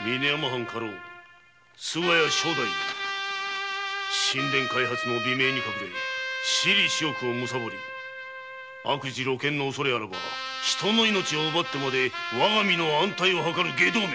藩家老菅谷庄太夫新田開発の美名に隠れ私利私欲をむさぼり悪事露見の恐れあらば人の命を奪ってまで我が身の安泰を図る外道め！